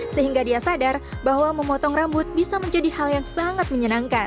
sehingga dia sadar bahwa memotong rambut bisa menjadi hal yang sangat menyenangkan